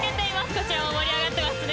こちらも盛り上がってますね